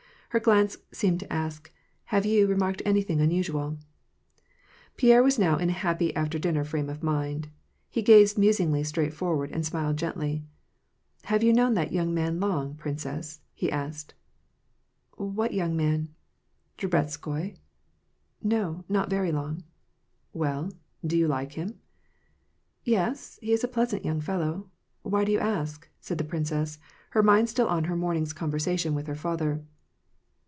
Her glance seemed to ask, " Have you remarked anything unusual ?" Pierre was now in a happy after dinner frame of mind. He gazed musingly straight forward, and smiled gently. " Have you known that young man long, princess ?" he asked. " What young man ?"" Drubetskoi." " No, not very long." « Well, do you like him ?"" Yes, he is a pleasant young fellow. Why do you ask ?" said the princess, her mind still on her morning's conversation with her father.